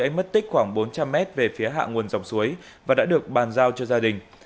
anh mất tích khoảng bốn trăm linh m về phía hạng nguồn dòng suối và đã được bàn giao cho gia đình